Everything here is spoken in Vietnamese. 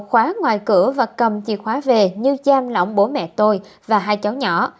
khóa ngoài cửa và cầm chìa khóa về như cham lỏng bố mẹ tôi và hai cháu nhỏ